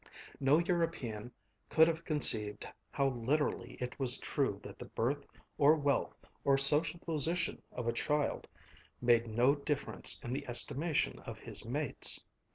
No European could have conceived how literally it was true that the birth or wealth or social position of a child made no difference in the estimation of his mates.